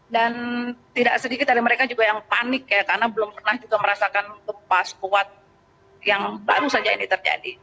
dan tidak sedikit dari mereka juga yang panik ya karena belum pernah juga merasakan gempa sekuat yang baru saja ini terjadi